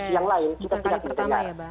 yang lain kita tidak mendengar